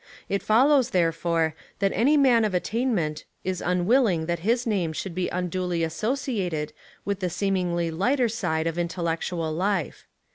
It follows, therefore, that any man of attainment is unwilling that his name should be unduly associated with the seemingly lighter side of intellectual life.